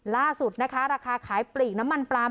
ล่าสุดนะคะราคาขายปลีกน้ำมันปลาม